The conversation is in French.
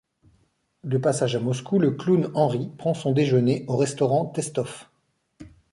De passage à Moscou, le clown Henri prend son déjeuner au restaurant Testov.